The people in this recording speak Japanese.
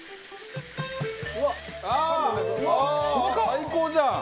最高じゃん！